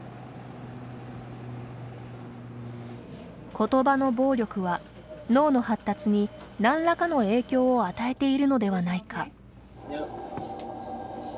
言葉の暴力は脳の発達に何らかの影響を与えているのではないか。